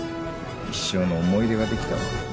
一生の思い出ができたわ。